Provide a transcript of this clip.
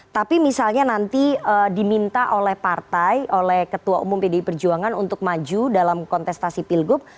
tapi misalnya nanti diminta oleh partai oleh ketua umum pdi perjuangan untuk maju dalam kontestasi pilgub